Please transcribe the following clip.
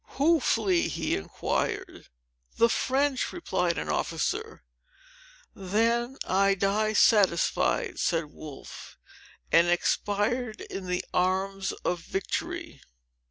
"Who flee?" he inquired. "The French," replied an officer. "Then I die satisfied!" said Wolfe, and expired in the arms of victory.